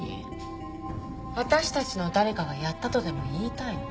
私たちの誰かがやったとでも言いたいの？